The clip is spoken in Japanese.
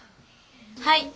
はい。